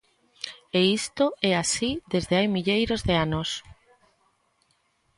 E isto é así desde hai milleiros de anos.